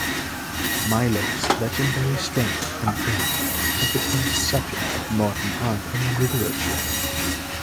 Milo's legendary strength and death have become the subjects of modern art and literature.